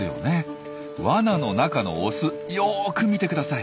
ワナの中のオスよく見てください。